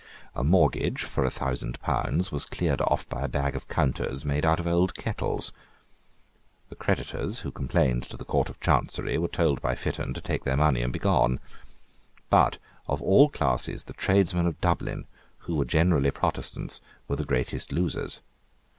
A mortgage for a thousand pounds was cleared off by a bag of counters made out of old kettles. The creditors who complained to the Court of Chancery were told by Fitton to take their money and be gone. But of all classes the tradesmen of Dublin, who were generally Protestants, were the greatest losers.